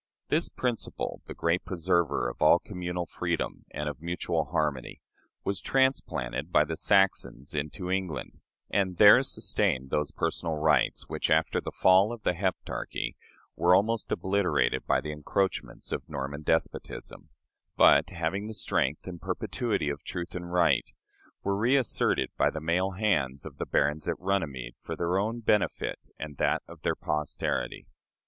This principle the great preserver of all communal freedom and of mutual harmony was transplanted by the Saxons into England, and there sustained those personal rights which, after the fall of the Heptarchy, were almost obliterated by the encroachments of Norman despotism; but, having the strength and perpetuity of truth and right, were reasserted by the mailed hands of the barons at Runnymede for their own benefit and that of their posterity.